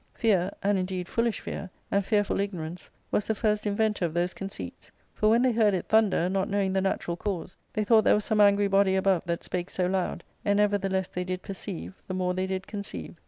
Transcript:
Fear — and indeed foolish fear — and fearful ignorance, was the first inventor of those conceits ; for when they heard ^ it thunder, not knowing the natural cause, they thought there was some angry body above that spake so loud, and ever the less they did perceive the more they did conceive.